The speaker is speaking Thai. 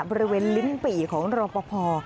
บริเวณลิ้นปี่ของรอปภ